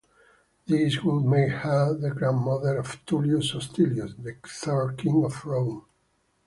This would make her the grandmother of Tullus Hostilius, the third king of Rome.